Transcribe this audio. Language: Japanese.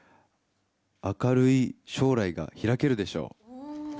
明るい将来が開けるでしょう。